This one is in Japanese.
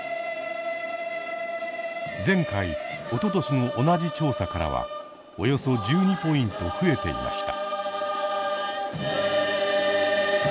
前回おととしの同じ調査からはおよそ１２ポイント増えていました。